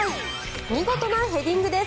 見事なヘディングです。